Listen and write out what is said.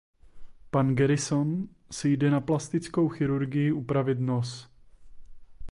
Pan Garrison si jde na plastickou chirurgii upravit nos.